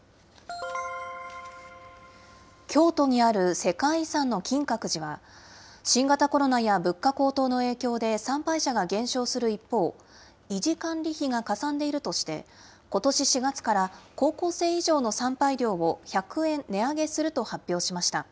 京都にある世界遺産の金閣寺は、新型コロナや物価高騰の影響で参拝者が減少する一方、維持管理費がかさんでいるとして、ことし４月から高校生以上の参拝料を１００円値上げすると発表しました。